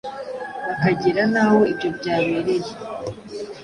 bakagera n’aho ibyo byabereye